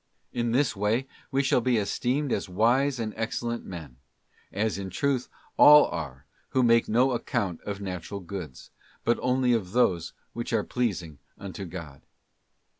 In this way we shall be esteemed as wise and excellent men, as in truth all are who make no account of natural goods, but only of those which are pleasing unto God.